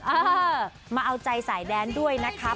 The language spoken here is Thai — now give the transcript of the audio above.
เออมาเอาใจสายแดนด้วยนะคะ